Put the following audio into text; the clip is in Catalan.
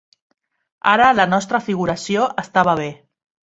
Ara la nostra figuració estava bé.